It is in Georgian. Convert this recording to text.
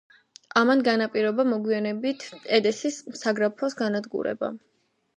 ამან განაპირობა მოგვიანებით ედესის საგრაფოს განადგურება.